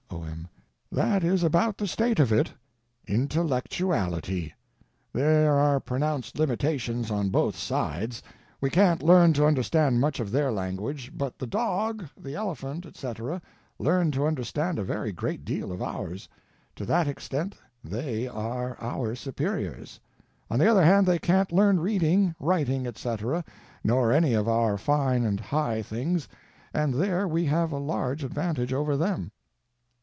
O.M. That is about the state of it—intellectuality. There are pronounced limitations on both sides. We can't learn to understand much of their language, but the dog, the elephant, etc., learn to understand a very great deal of ours. To that extent they are our superiors. On the other hand, they can't learn reading, writing, etc., nor any of our fine and high things, and there we have a large advantage over them.